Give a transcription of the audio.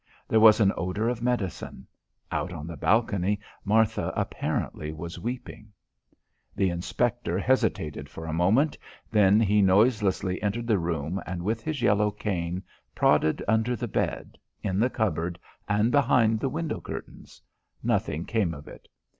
There was an odour of medicine. Out on the balcony, Martha apparently was weeping. The inspector hesitated for a moment; then he noiselessly entered the room and with his yellow cane prodded under the bed, in the cupboard and behind the window curtains. Nothing came of it.